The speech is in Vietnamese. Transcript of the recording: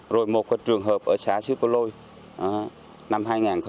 rồi một trường hợp ở xã siêu cô lôi năm hai nghìn một mươi năm